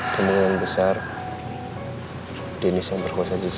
kemudian yang besar dennis yang perkuasa jessica